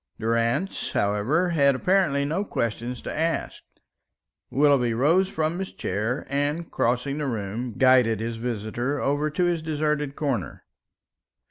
Durrance, however, had apparently no questions to ask. Willoughby rose from his chair, and crossing the room, guided his visitor over to his deserted corner.